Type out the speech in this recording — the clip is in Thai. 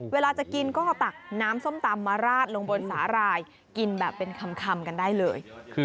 เวลาจะกินก็ตักน้ำส้มตำมาราดลงบนสาหร่ายกินแบบเป็นคำกันได้เลย